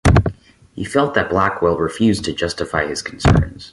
He felt that Blackwell refused to justify his concerns.